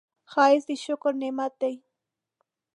ښایست د شکر نعمت دی